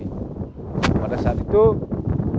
pada saat itu kebiasaan kita kita mulai mati